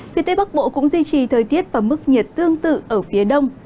phía tây bắc bộ cũng duy trì thời tiết và mức nhiệt tương tự ở phía đông